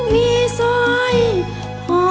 ไม่ใช้ค่ะ